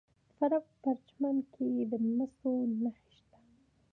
د فراه په پرچمن کې د مسو نښې شته.